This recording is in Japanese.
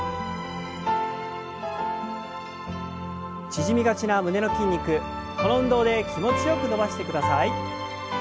縮みがちな胸の筋肉この運動で気持ちよく伸ばしてください。